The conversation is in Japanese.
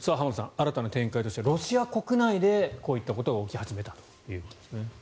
新たな展開としてロシア国内でこういったことが起き始めたということですね。